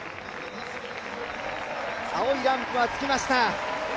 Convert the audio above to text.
青いランプがつきました。